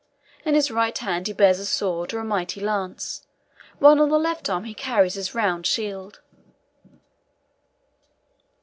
In his right hand he bears a sword or a mighty lance, while on the left arm he carries his round shield (see next page).